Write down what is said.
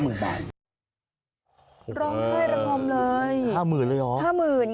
ร้องให้รังมเลย๕๐๐๐๐เลยหรอ